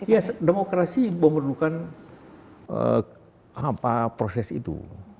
ya demokrasi memerlukan proses itu